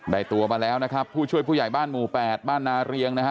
ตัวมาแล้วนะครับผู้ช่วยผู้ใหญ่บ้านหมู่๘บ้านนาเรียงนะฮะ